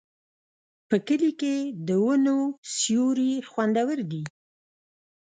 په کلي کې د ونو سیوري خوندور دي.